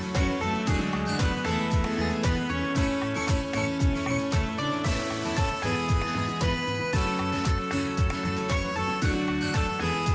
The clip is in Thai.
โปรดติดตามตอนต่อไป